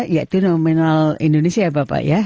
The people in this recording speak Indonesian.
yaitu nominal indonesia ya bapak ya